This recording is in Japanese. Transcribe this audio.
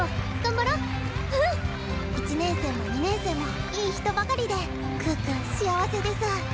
１年生も２年生もいい人ばかりで可可幸せデス。